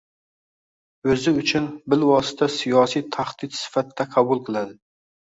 o‘zi uchun bilvosita siyosiy tahdid sifatida qabul qiladi.